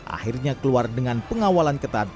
akhirnya keluar dengan pengawalan ketat